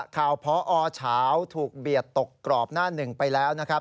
พอเฉาถูกเบียดตกกรอบหน้าหนึ่งไปแล้วนะครับ